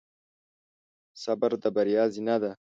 صبر د بریا زینه ده.